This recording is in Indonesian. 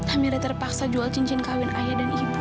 amira terpaksa jual cincin kawin ayah dan ibu